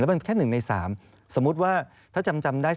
แล้วมันแค่หนึ่งในสามสมมติว่าถ้าจำได้